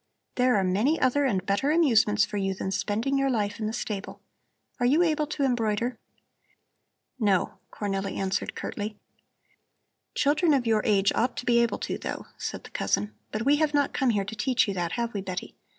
There are many other and better amusements for you than spending your life in the stable. Are you able to embroider?" "No," Cornelli answered curtly. "Children of your age ought to be able to, though," said the cousin. "But we have not come here to teach you that; have we, Betty?